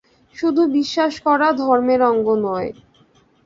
শুধু বিশ্বাস করা ধর্মের অঙ্গ নয়।